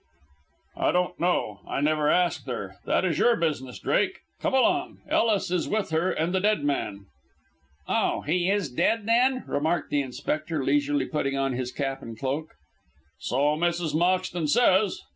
"I don't know. I never asked her. That is your business, Drake. Come along, Ellis is with her and the dead man." "Oh, he is dead, then?" remarked the inspector, leisurely putting on his cap and cloak. "So Mrs. Moxton says.